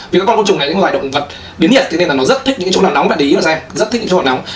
vì các con côn trùng này là những loài động vật biến nhiệt nên nó rất thích những chỗ nóng bạn để ý vào xem rất thích những chỗ nóng